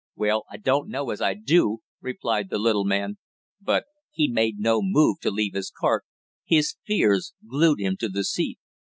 "Well, I don't know as I do," replied the little man, but he made no move to leave his cart, his fears glued him to the seat.